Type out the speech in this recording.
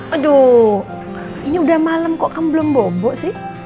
aduh ini udah malam kok kamu belum bobo sih